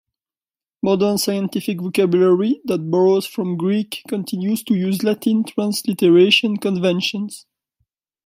Modern scientific vocabulary that borrows from Greek continues to use Latin transliteration conventions.